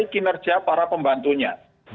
kinerja para pembantunya